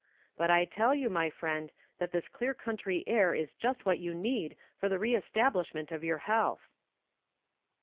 But I tell you, my friend, that this clear country air is just what you need for the re establishment of your health."